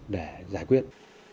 để giải quyết